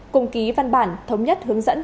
cùng ký văn bản thống nhất hướng dẫn